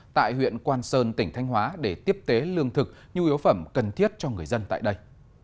tại huyện quan sơn tỉnh thanh hóa để tiếp tế lương thực nhu yếu phẩm cần thiết cho người dân tại đây